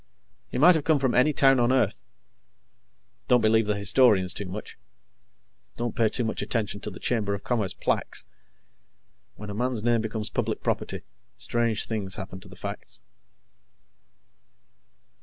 He might have come from any town on Earth. Don't believe the historians too much. Don't pay too much attention to the Chamber of Commerce plaques. When a man's name becomes public property, strange things happen to the facts.